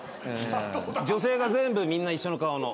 女性が全部みんな一緒の顔の。